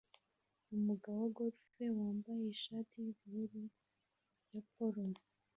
Umugabo wa golf wambaye ishati yubururu ya polo